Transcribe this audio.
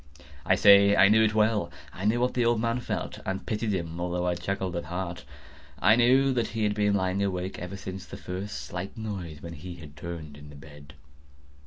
I say I knew it well. I knew what the old man felt, and pitied him, although I chuckled at heart. I knew that he had been lying awake ever since the first slight noise, when he had turned in the bed.